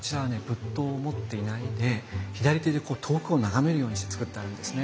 仏塔を持っていないで左手で遠くを眺めるようにして造ってあるんですね。